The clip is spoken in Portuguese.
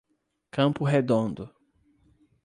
Campo Redondo